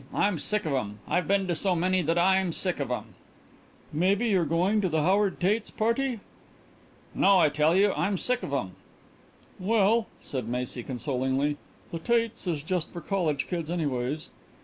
"I'm sick of 'em. I've been to so many that I'm sick of 'em." "Maybe you're going to the Howard Tates' party?" "No, I tell you; I'm sick of 'em." "Well," said Macy consolingly, "the Tates' is just for college kids anyways."